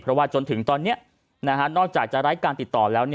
เพราะว่าจนถึงตอนนี้นอกจากจะไร้การติดต่อแล้ว